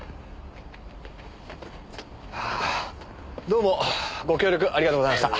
どうもご協力ありがとうございました。